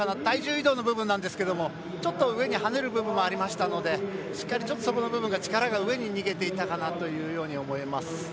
体重移動の部分なんですけれどもちょっと上に跳ねる部分もありましたのでその部分で力が上に逃げていたかなと思います。